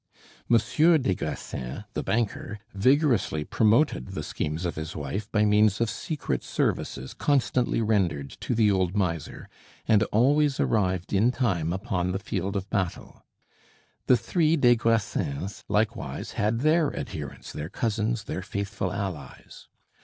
Monsieur des Grassins, the banker, vigorously promoted the schemes of his wife by means of secret services constantly rendered to the old miser, and always arrived in time upon the field of battle. The three des Grassins likewise had their adherents, their cousins, their faithful allies.